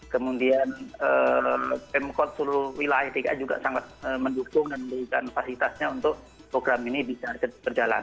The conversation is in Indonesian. kemudian pemkot seluruh wilayah dki juga sangat mendukung dan memberikan fasilitasnya untuk program ini bisa berjalan